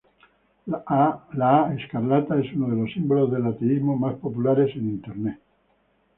La "A" escarlata es uno de los símbolos del ateísmo más populares en Internet.